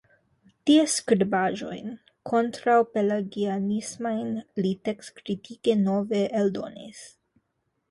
Ties skribaĵojn kontraŭpelagianismajn li tekstkritike nove eldonis.